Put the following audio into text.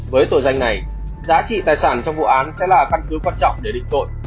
với tội danh này giá trị tài sản trong vụ án sẽ là căn cứ quan trọng để định tội